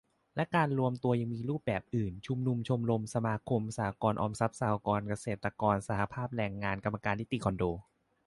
และการรวมตัวยังมีรูปอื่น ชุมนุม ชมรม สมาคม สหกรณ์ออมทรัพย์ สหกรณ์เกษตร สหภาพแรงงาน กรรมการนิติคอนโด